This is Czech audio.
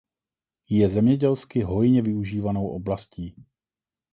Je zemědělsky hojně využívanou oblastí.